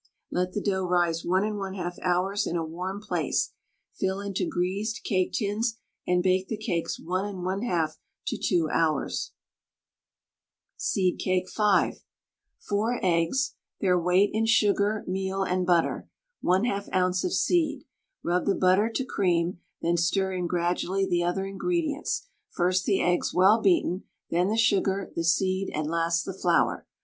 Let the dough rise 1 1/2 hours in a warm place, fill into greased cake tins and bake the cakes 1 1/2 to 2 hours. SEED CAKE (5). 4 eggs, their weight in sugar, meal and butter, 1/2 oz. of seed. Rub the butter to cream, then stir in gradually the other ingredients, first the eggs well beaten, then the sugar, the seed, and last the flour.